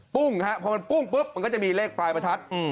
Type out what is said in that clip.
ุ้งฮะพอมันปุ้งปุ๊บมันก็จะมีเลขปลายประทัด